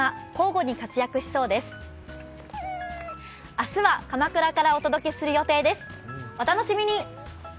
明日は鎌倉からお届けする予定です、お楽しみに！